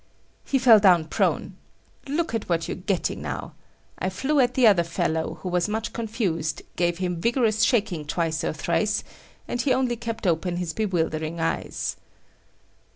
He fell down prone. Look at what you're getting now! I flew at the other fellow, who was much confused; gave him vigorous shaking twice or thrice, and he only kept open his bewildering eyes.